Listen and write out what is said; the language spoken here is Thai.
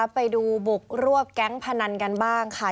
ไปดูบุกรวบแก๊งพนันกันบ้างค่ะ